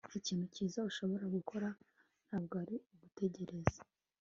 ikintu cyiza ushobora gukora ntabwo ari ugutekereza